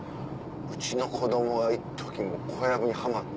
うちの子供がいっとき小籔にハマって。